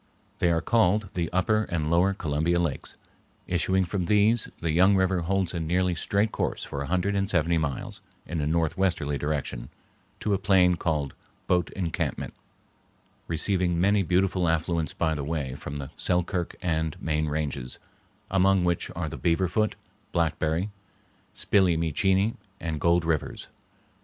They are called the Upper and Lower Columbia Lakes. Issuing from these, the young river holds a nearly straight course for a hundred and seventy miles in a northwesterly direction to a plain called "Boat Encampment," receiving many beautiful affluents by the way from the Selkirk and main ranges, among which are the Beaver Foot, Blackberry, Spill e Mee Chene, and Gold Rivers.